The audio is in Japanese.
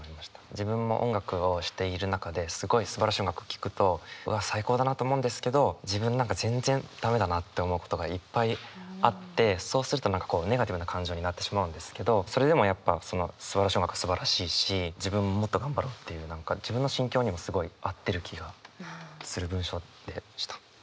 自分も音楽をしている中ですごいすばらしい音楽を聴くとうわ最高だなと思うんですけど自分何か全然駄目だなって思うことがいっぱいあってそうすると何かネガティブな感情になってしまうんですけどそれでもやっぱすばらしい音楽はすばらしいし自分ももっと頑張ろうっていう何か自分の心境にもすごい合ってる気がする文章でした。